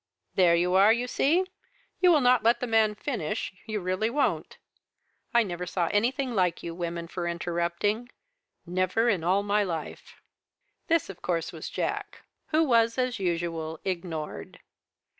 "There you are, you see. You will not let the man finish, you really won't. I never saw anything like you women for interrupting never in all my life." This of course was Jack who was, as usual, ignored.